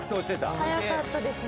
速かったですね。